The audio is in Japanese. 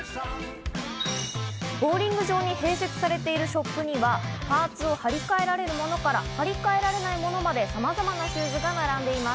ボウリング場に併設されているショップには、パーツを張り替えられるものから張り替えられないものまで様々なシューズが並んでいます。